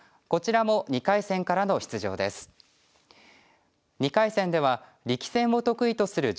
こちらも２回戦からの出場です。